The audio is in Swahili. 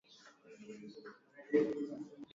kujihusishakutarajia unywajiulevi na kuachaathari mbaya